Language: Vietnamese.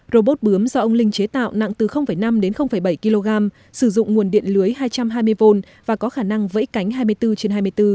robot bướm do ông linh chế tạo nặng từ năm đến bảy kg sử dụng nguồn điện lưới hai trăm hai mươi v và có khả năng vẫy cánh hai mươi bốn trên hai mươi bốn